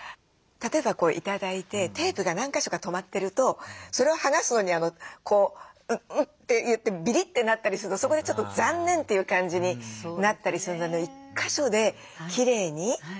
例えば頂いてテープが何か所か留まってるとそれを剥がすのにんっていってビリッてなったりするとそこでちょっと残念という感じになったりするので１か所できれいに。